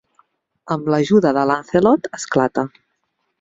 Amb l'ajuda de Lancelot, esclata.